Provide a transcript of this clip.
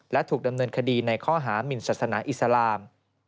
และถูกดำเนินคดีในข้อหามินศาสนาอิสลาม